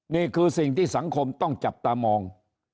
นี่คือสิ่งที่สังคมต้องจับตามอง